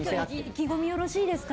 意気込みよろしいですか。